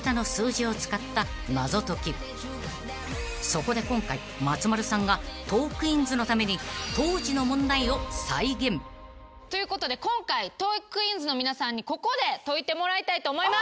［そこで今回松丸さんがトークィーンズのために］ということで今回トークィーンズの皆さんにここで解いてもらいたいと思います。